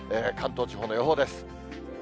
関東地方の予報です。